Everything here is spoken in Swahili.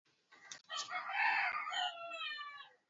Matumizi ya dawa za kuulia wadudu hukabiliana na ugonjwa wa ukurutu